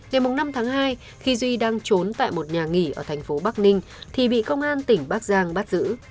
ngày năm tháng hai khi duy đang trốn tại một nhà nghỉ ở thành phố bắc ninh thì bị công an tỉnh bắc giang bắt giữ